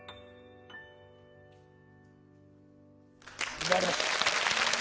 すばらしい。